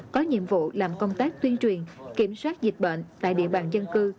có nhiệm vụ làm công tác tuyên truyền kiểm soát dịch bệnh tại địa bàn dân cư